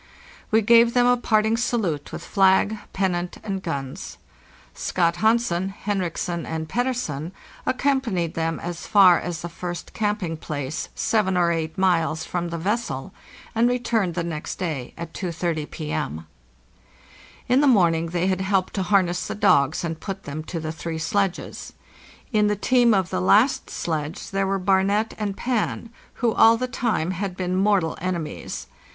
We gave them a parting salute with flag, pennant, and guns. Scott Hansen, Henriksen, and Pettersen accompanied them as far as the first camping place, 7 or 8 miles from the vessel, and returned the next day at 2.30 P.M. In the morning they had helped to harness the dogs and put them to the three sledges. In the team of the last sledge there were '" Barnet"? and " Pan," who all the time had been mortal enemies.